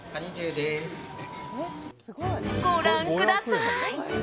ご覧ください。